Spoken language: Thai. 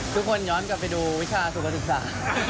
ทุกคนย้อนกลับไปดูวิชาสุขศึกษา